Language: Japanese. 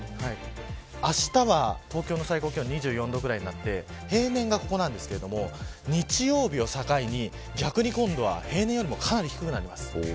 あしたは東京の最高気温２４度くらいになって平年がここなんですけど日曜日を境に逆に今度は平年よりもかなり低くなります。